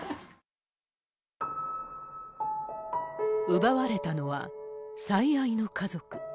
奪われたのは、最愛の家族。